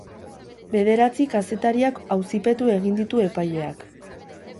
Bederatzi kazetariak auzipetu egin ditu epaileak.